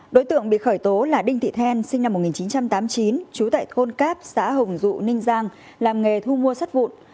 đối tượng bị khởi tố là đinh thị then sinh năm một nghìn chín trăm tám mươi chín trú tại thôn cáp xã hồng dụ ninh giang làm nghề thu mua sắt vụn